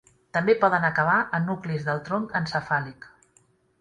També poden acabar a nuclis del tronc encefàlic.